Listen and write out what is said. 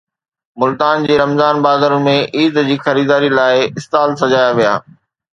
ملتان جي رمضان بازارن ۾ عيد جي خريداريءَ لاءِ اسٽال سجايا ويا